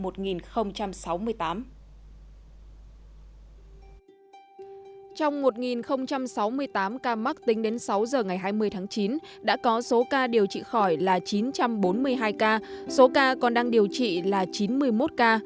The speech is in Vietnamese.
trong một sáu mươi tám ca mắc tính đến sáu giờ ngày hai mươi tháng chín đã có số ca điều trị khỏi là chín trăm bốn mươi hai ca số ca còn đang điều trị là chín mươi một ca